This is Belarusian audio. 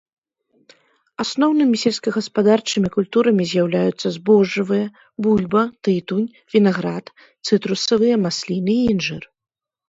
Асноўнымі сельскагаспадарчымі культурамі з'яўляюцца збожжавыя, бульба, тытунь, вінаград, цытрусавыя, масліны і інжыр.